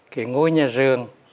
cái ngõi nhà giường